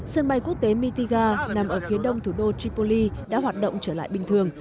sân bay quốc tế mitiga nằm ở phía đông thủ đô tripoli đã hoạt động trở lại bình thường